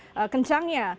berkibar begitu kencangnya ya